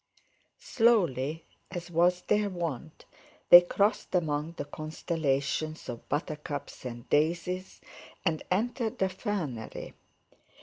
Slowly, as was their wont, they crossed among the constellations of buttercups and daisies, and entered the fernery.